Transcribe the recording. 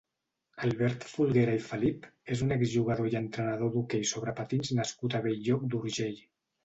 Albert Folguera i Felip és un exjugador i entrenador d'hoquei sobre patins nascut a Bell-lloc d'Urgell.